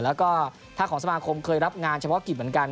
แล้วก็ถ้าของสมาคมเคยรับงานเฉพาะกิจเหมือนกัน